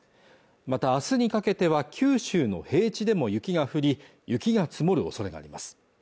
またあすにかけては九州の平地でも雪が降り雪が積もるおそれがあります